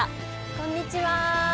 こんにちは。